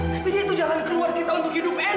tapi dia itu jalan keluar kita untuk hidup enak